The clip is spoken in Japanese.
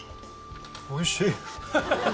おいしい！